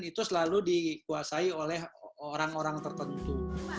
itu selalu dikuasai oleh orang orang tertentu